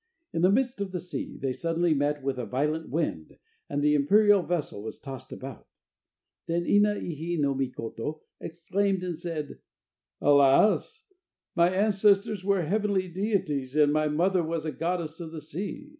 In the midst of the sea, they suddenly met with a violent wind, and the imperial vessel was tossed about. Then Ina ihi no Mikoto exclaimed and said: "Alas! my ancestors were heavenly deities, and my mother was a goddess of the sea.